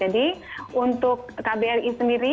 jadi untuk kbri sendiri